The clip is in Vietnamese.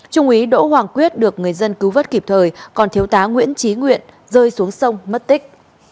trung úy đỗ hoàng quyết được người dân cứu vất kịp thời còn thiếu tá nguyễn trí nguyện rơi xuống sông mất tích